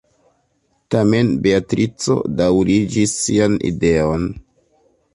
Tamen Beatrico daŭriĝis sian ideon.